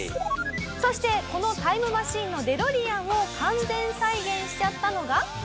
そしてこのタイムマシンのデロリアンを完全再現しちゃったのが。